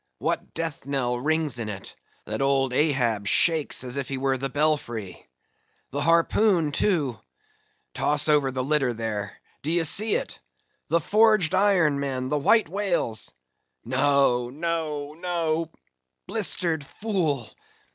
—What death knell rings in it, that old Ahab shakes as if he were the belfry. The harpoon, too!—toss over the litter there,—d'ye see it?—the forged iron, men, the white whale's—no, no, no,—blistered fool!